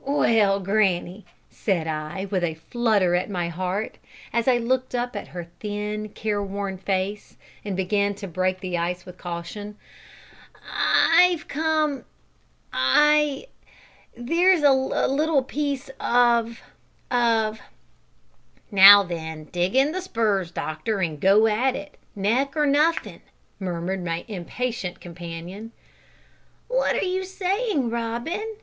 "Well, granny," said I, with a flutter at my heart, as I looked up at her thin careworn face, and began to break the ice with caution, "I've come I there's a little piece of of " "Now then, dig in the spurs, doctor, an' go at it neck or nuffin'," murmured my impatient companion. "What are you saying, Robin?"